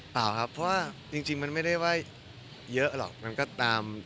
เปล่าครับเพราะว่าจริงมันไม่ได้ว่าเยอะหรอกมันก็ตาม